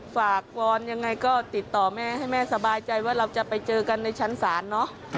วอนยังไงก็ติดต่อแม่ให้แม่สบายใจว่าเราจะไปเจอกันในชั้นศาลเนอะ